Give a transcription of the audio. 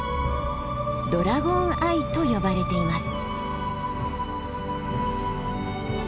ドラゴンアイと呼ばれています。